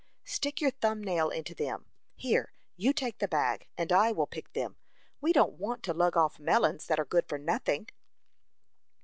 "Stick your thumb nail into them. Here, you take the bag, and I will pick them. We don't want to lug off melons that are good for nothing."